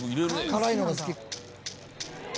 辛いのが好き？